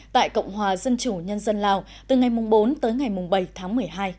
tại cộng hòa dân chủ nhân dân lào từ ngày bốn tới ngày bảy tháng một mươi hai